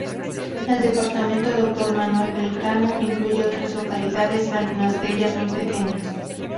El departamento Doctor Manuel Belgrano incluye otras localidades, algunas de ellas muy pequeñas.